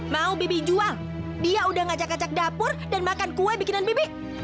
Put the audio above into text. mau bibi jual dia udah ngacak ngacak dapur dan makan kue bikinan bibi